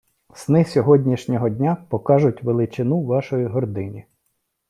Сни сьогоднішнього дня покажуть величину вашої гордині.